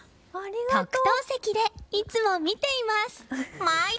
特等席で、いつも見ています！